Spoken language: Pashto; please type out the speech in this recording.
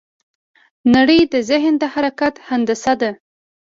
نړۍ د ذهن د حرکت هندسه ده.